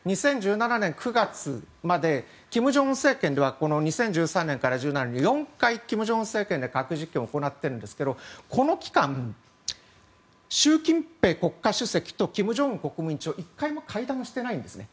２０１７年９月まで金正恩政権では２０１３年から２０１７年に４回金正恩政権で核実験を行っているんですがこの期間、習近平国家主席と金正恩国務委員長は１回も会談していないんですね。